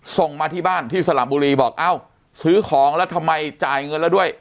ส่งมาที่บ้านที่สระบุรีบอกเอ้าซื้อของแล้วทำไมจ่ายเงินแล้วด้วย